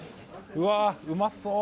うわっうまそう！